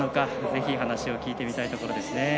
ぜひ、話を聞いてみたいところですね。